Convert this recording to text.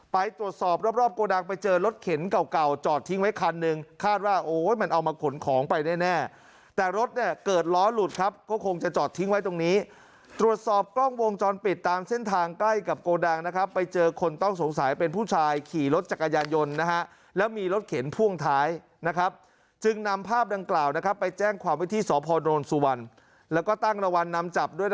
ไปตรวจสอบรอบรอบโกดังไปเจอรถเข็นเก่าเก่าจอดทิ้งไว้คันหนึ่งคาดว่าโอ้ยมันเอามาขนของไปแน่แน่แต่รถเนี่ยเกิดล้อหลุดครับก็คงจะจอดทิ้งไว้ตรงนี้ตรวจสอบกล้องวงจรปิดตามเส้นทางใกล้กับโกดังนะครับไปเจอคนต้องสงสัยเป็นผู้ชายขี่รถจักรยานยนต์นะฮะแล้วมีรถเข็นพ่วงท้ายนะครั